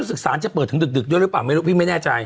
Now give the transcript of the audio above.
ศึกสารจะเปิดถึงดึกด้วยหรือเปล่าไม่รู้พี่ไม่แน่ใจ